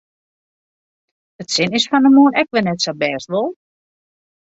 It sin is fan 'e moarn ek wer net sa bêst, wol?